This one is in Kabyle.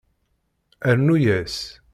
Rnu-yas.